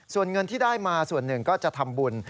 ส่วนเงินที่ได้มาส่วนหนึ่งก็จะทำบุญ